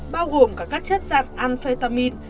bao gồm cả các chất dạng amphetamine